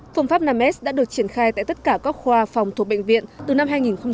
phương pháp năm s đã được triển khai tại tất cả các khoa phòng thuộc bệnh viện từ năm hai nghìn một mươi